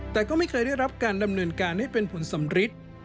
แต่ก็ไม่เคยได้รับการดำเนินการให้เป็นผลสำริด